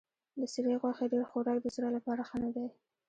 د سرې غوښې ډېر خوراک د زړه لپاره ښه نه دی.